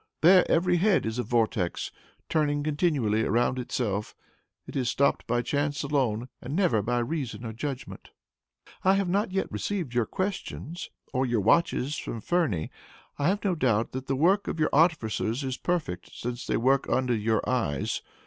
There every head is a vortex turning continually around itself. It is stopped by chance alone, and never by reason or judgment. "I have not yet received your Questions, or your watches from Ferney. I have no doubt that the work of your artificers is perfect, since they work under your eyes.